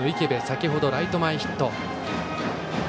先程、ライト前ヒット。